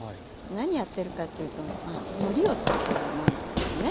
何やってるかっていうとのりを作ってるもんなんですね。